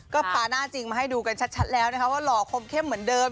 ก็พาหน้าจริงมาให้ดูกันชัดแล้วนะคะว่าหล่อคมเข้มเหมือนเดิม